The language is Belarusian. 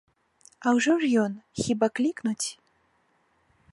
А ўжо ж ён, хіба клікнуць?